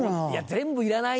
全部いらないな。